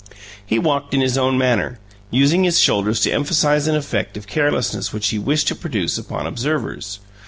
He walked in his own manner, using his shoulders to emphasize an effect of carelessness which he wished to produce upon observers.